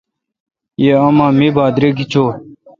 یہ اما می پتا دریگ چو۔